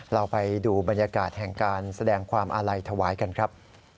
เราไปดูบรรยากาศแห่งการแสดงความอาลัยถวายกันครับ